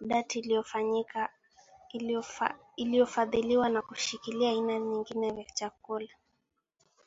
dart iliyohifadhiwa na kulishwa aina nyingine ya chakula